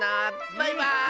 バイバーイ！